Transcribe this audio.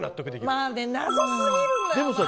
まあね、謎すぎるんだよな。